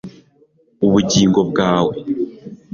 ubugingo bwawe